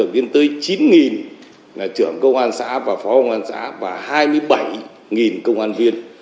biên tới chín trưởng công an xã và phó công an xã và hai mươi bảy công an viên